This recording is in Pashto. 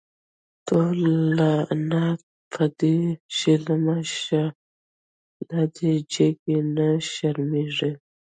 تو لعنت په دی شملو شه، لادی جگی نه شرمیږی